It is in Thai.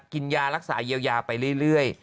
กินยารักษาเยียวยาไปเรื่อย